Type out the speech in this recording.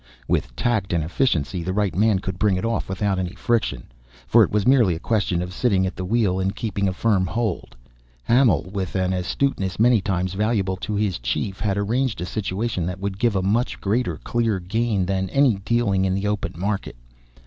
With tact and efficiency the right man could bring it off without any friction, for it was merely a question of sitting at the wheel and keeping a firm hold. Hamil, with an astuteness many times valuable to his chief, had arranged a situation that would give a much greater clear gain than any dealing in the open market.